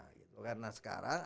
karena sekarang akhirnya